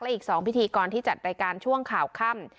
อีก๒พิธีกรที่จัดรายการช่วงข่าวค่ำ